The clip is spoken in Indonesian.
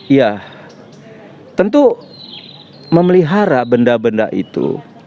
ya tentu memelihara benda benda itu